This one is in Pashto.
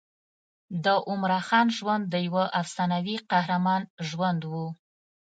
د عمراخان ژوند د یوه افسانوي قهرمان ژوند و.